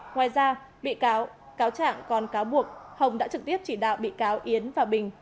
ngoài ra bị cáo cáo trạng còn cáo buộc hồng đã trực tiếp chỉ đạo bị cáo yến và bình